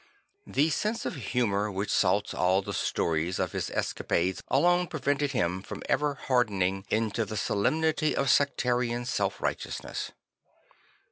The sense of humour which salts all the stories of his escapades alone preven ted him from ever hardening in to the solemnity of sectarian self righteousness.